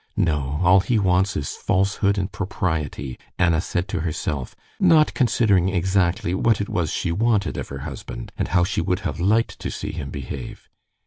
No, all he wants is falsehood and propriety," Anna said to herself, not considering exactly what it was she wanted of her husband, and how she would have liked to see him behave.